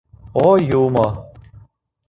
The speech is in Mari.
О Юмо!